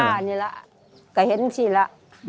จ้ะอันนี้แหละก็เห็นสิละ